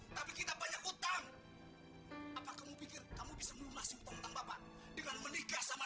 tapi kita banyak utang apa kamu pikir kamu bisa melunasi utang utang bapak dengan menikah sama